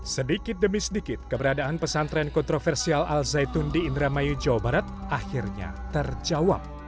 sedikit demi sedikit keberadaan pesantren kontroversial al zaitun di indramayu jawa barat akhirnya terjawab